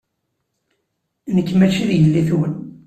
Nekk maci d yelli-twen.